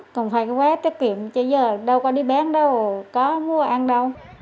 còn phải có quá tiết kiệm cho giờ đâu có đi bán đâu có mua ăn đâu